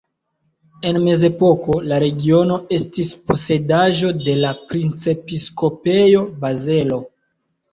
En mezepoko la regiono estis posedaĵo de la Princepiskopejo Bazelo.